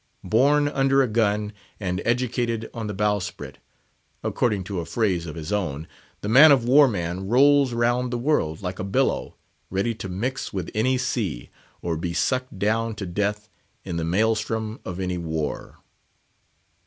"Born under a gun, and educated on the bowsprit," according to a phrase of his own, the man of war man rolls round the world like a billow, ready to mix with any sea, or be sucked down to death in the maelstrom of any war.